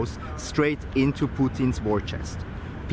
langsung ke dalam kudang perang putin